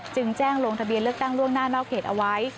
จึงแจ้งลงทะเบียนเลือกตั้งล่วงหน้านอกเขตเอาไว้